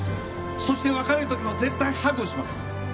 そして別れる時も絶対ハグをします。